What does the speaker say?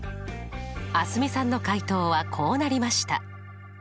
蒼澄さんの解答はこうなりました。